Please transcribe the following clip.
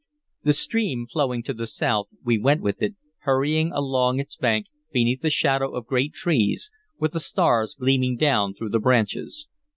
The stream flowing to the south, we went with it, hurrying along its bank, beneath the shadow of great trees, with the stars gleaming down through the branches.